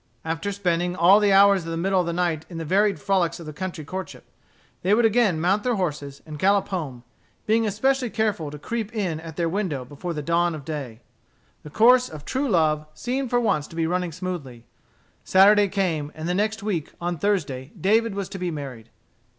After spending all the hours of the middle of the night in the varied frolics of country courtship, they would again mount their horses and gallop home, being especially careful to creep in at their window before the dawn of day The course of true love seemed for once to be running smoothly. Saturday came, and the next week, on Thursday, David was to be married.